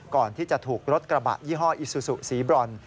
ก่อนที่จะถูกรถกระบะยี่ห้ออิซูซูสีบรอน